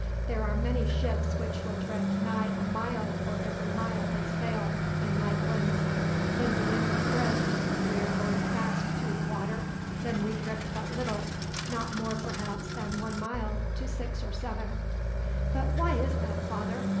There are many ships which will drift nigh a mile for every mile they sail, in light winds. When the wind is brisk, and we are going fast through the water, then we drift but little, not more perhaps than one mile to six or seven." "But why is that, father?